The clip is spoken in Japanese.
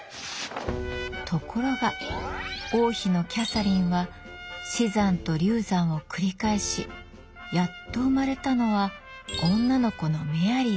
ところが王妃のキャサリンは死産と流産を繰り返しやっと生まれたのは女の子のメアリーでした。